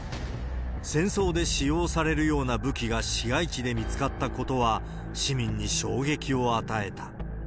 戦争で使用されるような武器が市街地で見つかったことは、市民に衝撃を与えた。